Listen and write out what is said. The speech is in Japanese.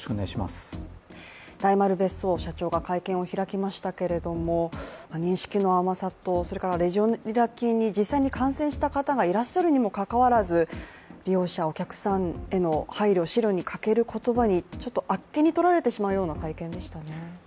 大丸別荘社長が会見を開きましたけれども認識の甘さと、それからレジオネラ菌に実際に感染した方がいらっしゃるにもかかわらず、利用者、お客さんへの配慮、思慮に欠ける言葉にあっけにとられてしまうような会見でしたね。